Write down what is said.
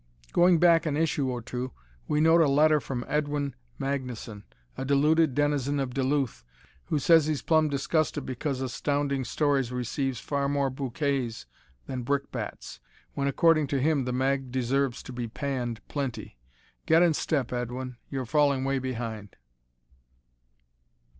Going back an issue or two, we note a letter from Edwin Magnuson, a deluded denizen of Duluth, who says he's plumb disgusted because Astounding Stories receives far more bouquets than brickbats, when according to him the mag deserves to be panned plenty. Get in step, Edwin, you're falling way behind!